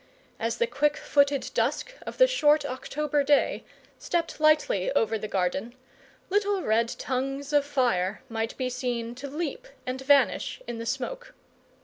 As the quick footed dusk of the short October day stepped lightly over the garden, little red tongues of fire might be seen to leap and vanish in the smoke.